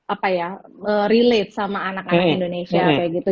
apa ya relate sama anak anak indonesia kayak gitu